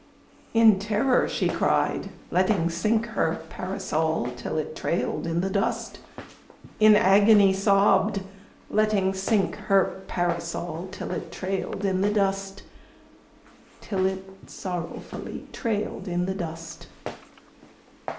In terror she cried, letting sink her Parasol till it trailed in the dust; In agony sobbed, letting sink her Parasol till it trailed in the dust, Till it sorrowfully trailed in the dust.